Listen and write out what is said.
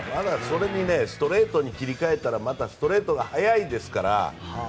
それにストレートに切り替えたらまたストレートが速いですから。